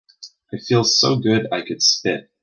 I feel so good I could spit.